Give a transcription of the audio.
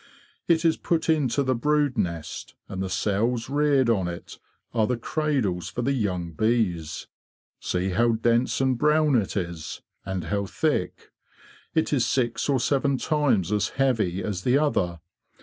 It is put into the brood nest, and the cells reared on it are the cradles for the young bees. See how dense and brown it is, and how thick; it is six or seven times as heavy as the other.